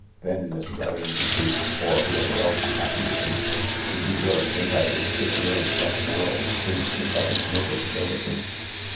"Then, Mr. Rangy Pete, or whoever else you happen to be, did you really think I would sit here and let Merrill's crew sneak up and murder the Dervishers?"